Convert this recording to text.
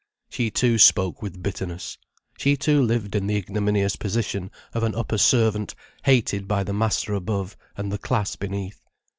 She too spoke with bitterness. She too lived in the ignominious position of an upper servant hated by the master above and the class beneath.